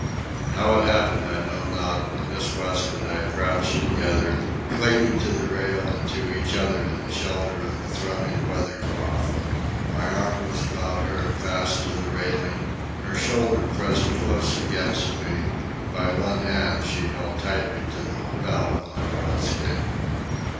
How it happened I know not, but Miss West and I crouched together, clinging to the rail and to each other in the shelter of the thrumming weather cloth. My arm was about her and fast to the railing; her shoulder pressed close against me, and by one hand she held tightly to the lapel of my oilskin.